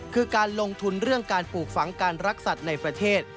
คือการลงทุนเรื่องการปลูกฝังการรักสัตว์ในประเทศ